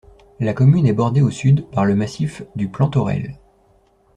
La commune est bordée au sud par le massif du Plantaurel.